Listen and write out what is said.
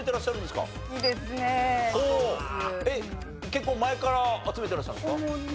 結構前から集めてらっしゃるんですか？